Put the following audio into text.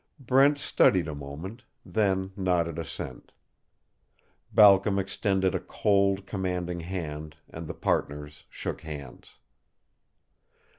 Brent studied a moment, then nodded assent. Balcom extended a cold, commanding hand and the partners shook hands.